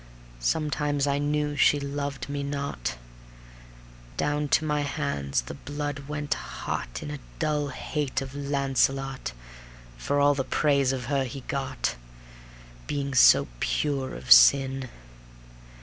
Sometimes I knew she loved me not; Down to my hands the blood went hot In a dull hate of Launcelot For all the praise of her he got, Being so pure of sin.